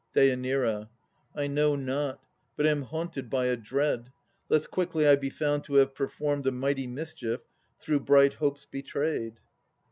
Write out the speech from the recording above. DÊ. I know not, but am haunted by a dread, Lest quickly I be found to have performed A mighty mischief, through bright hopes betrayed.